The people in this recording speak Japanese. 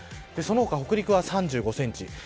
その他、北陸は３５センチ